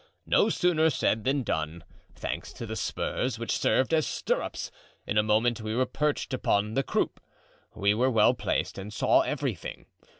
No sooner said than done. Thanks to the spurs, which served as stirrups, in a moment we were perched upon the croupe; we were well placed and saw everything.